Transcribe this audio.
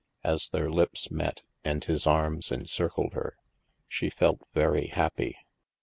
As their lips met, and his arm encircled her, she felt very happy.